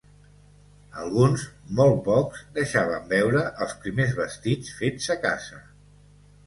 Alguns, molt pocs, deixaven veure els primers vestits fets a casa.